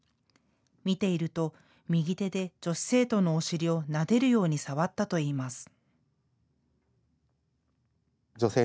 見ていると右手で女子生徒のお尻をなでるように触ったといいます。